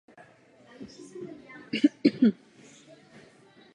Měli bychom vytvořit evropskou ratingovou agenturu na základě modelu nadace.